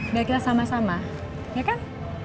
udah kita sama sama ya kan